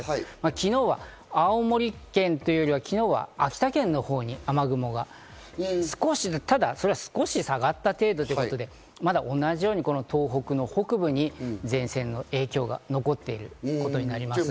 昨日は青森県というよりは昨日は秋田県のほうに雨雲がただ少し下がった程度ということで、まだ同じように東北の北部に前線の影響が残っているということになります。